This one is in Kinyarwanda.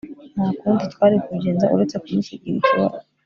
Nta kundi twari kubigenza uretse kumusigira ikibazo